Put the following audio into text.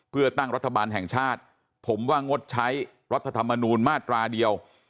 เพื่อตั้งรัฐบาลแห่งชาติผมว่างดใช้รัฐธรรมนูญมาตราเดียว